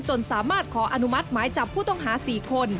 จนสามารถขออนุมัติหมายจับผู้ต้องหา๔คน